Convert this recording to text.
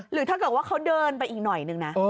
หรือถ้าเกิดว่าเขาเดินไปอีกหน่อยนึงนะ